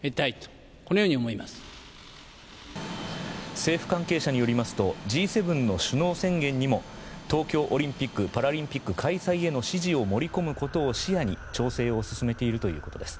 政府関係者によりますとＧ７の首脳宣言にも東京オリンピック・パラリンピック開催への支持を盛り込むことを視野に調整を進めているということです。